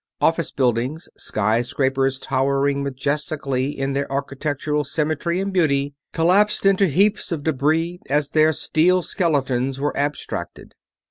Office buildings, skyscrapers towering majestically in their architectural symmetry and beauty, collapsed into heaps of debris as their steel skeletons were abstracted.